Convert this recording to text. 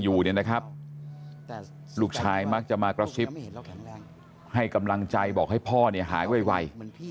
ลูกชายมากจะมากระซิบให้กำลังใจบอกให้พ่อหายไว